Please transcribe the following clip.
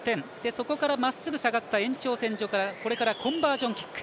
そこからまっすぐ下がった延長線上からこれからコンバージョンキック。